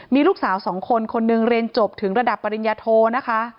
มีลูกสาวสองคนคนหนึ่งเรียนจบถึงระดับปริญญาโทนะคะ